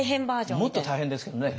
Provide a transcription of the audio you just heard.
もっと大変ですけどね。